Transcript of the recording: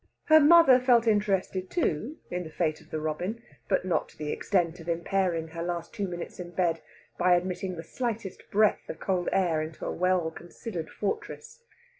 Her mother felt interested, too, in the fate of the robin, but not to the extent of impairing her last two minutes in bed by admitting the slightest breath of cold air inside a well considered fortress.